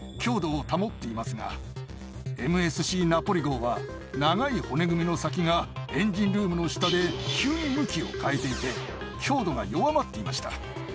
ＭＳＣナポリ号は長い骨組みの先がエンジンルームの下で急に向きを変えていて強度が弱まっていました。